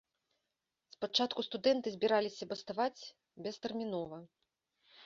Спачатку студэнты збіраліся баставаць бестэрмінова.